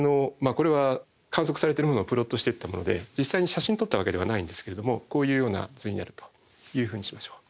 これは観測されてるものをプロットしていったもので実際に写真撮ったわけではないんですけれどもこういうような図になるというふうにしましょう。